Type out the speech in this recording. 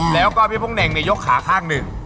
แล้วก็พี่ป้องเน่งเนี่ยยกขาข้างหนึ่ง